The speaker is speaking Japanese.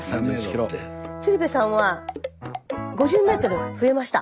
鶴瓶さんは５０ｍ増えました。